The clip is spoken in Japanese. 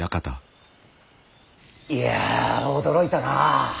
いや驚いたなあ。